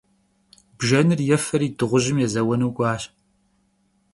Bjjenır yêferi dığujım yêzeuenu k'uaş.